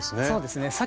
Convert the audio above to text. そうですね。